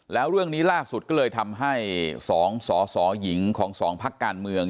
แล้วเรื่องนี้ล่าสุดก็เลยทำให้๒สสหญิงของสองพักการเมือง